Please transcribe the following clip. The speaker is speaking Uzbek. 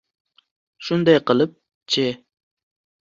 Shunday qilib, Ch